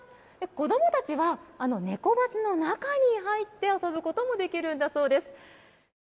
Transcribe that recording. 子供たちはネコバスの中に入って遊ぶこともできるんだそうです。